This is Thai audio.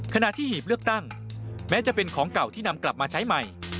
ขณะที่หีบเลือกตั้งแม้จะเป็นของเก่าที่นำกลับมาใช้ใหม่